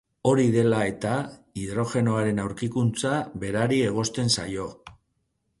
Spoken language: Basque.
Hori dela-eta, hidrogenoaren aurkikuntza berari egozten zaio.